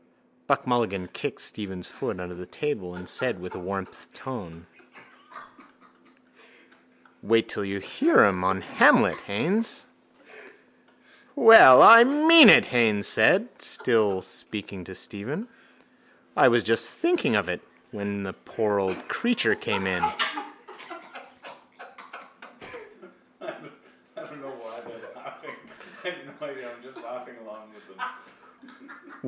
Buck Mulligan kicked Stephen's foot under the table and said with warmth of tone: —Wait till you hear him on Hamlet, Haines. —Well, I mean it, Haines said, still speaking to Stephen. I was just thinking of it when that poor old creature came in.